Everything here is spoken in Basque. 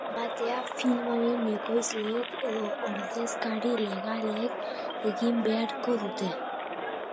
Izen-ematea filmaren ekoizleek edo ordezkari legalek egin beharko dute.